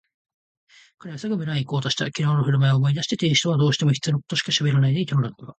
彼はすぐ村へいこうとした。きのうのふるまいを思い出して亭主とはどうしても必要なことしかしゃべらないでいたのだったが、